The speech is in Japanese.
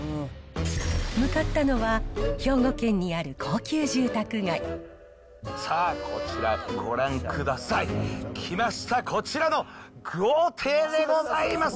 向かったのは、兵庫県にある高級さあ、こちら、ご覧ください。来ました、こちらの豪邸でございます。